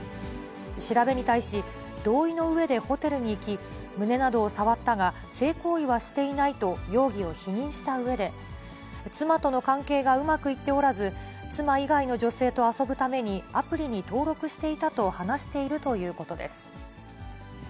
調べに対し、同意のうえでホテルに行き、胸などを触ったが、性行為はしていないと容疑を否認したうえで、妻との関係がうまくいっておらず、妻以外の女性と遊ぶために、アプリに登録していたと話しているということです。